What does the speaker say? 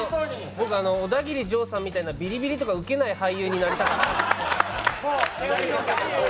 僕、オダギリジョーさんみたいなビリビリとか受けない俳優になりたい。